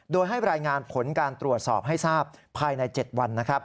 โดยให้รายงานผลการตรวจสอบให้ทราบภายใน๗วัน